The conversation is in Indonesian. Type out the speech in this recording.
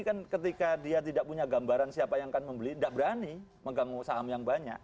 kan ketika dia tidak punya gambaran siapa yang akan membeli tidak berani mengganggu saham yang banyak